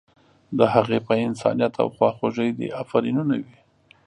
د هغې په انسانیت او خواخوږۍ دې افرینونه وي.